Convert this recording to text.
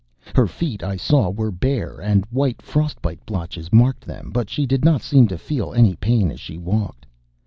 Her feet, I saw, were bare and white frost bite blotches marked them. But she did not seem to feel any pain as she walked.